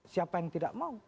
siapa yang tidak mau